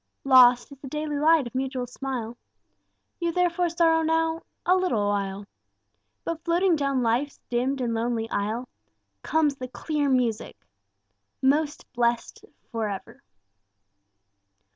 Lost is the daily light of mutual smile, You therefore sorrow now a little while; But floating down life's dimmed and lonely aisle Comes the clear music: 'Most blessed for ever!'